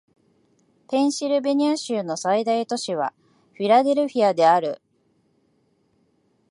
ペンシルベニア州の最大都市はフィラデルフィアである